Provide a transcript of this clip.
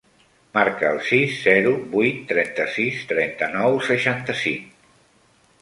Marca el sis, zero, vuit, trenta-sis, trenta-nou, seixanta-cinc.